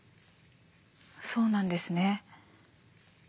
そうなんですね。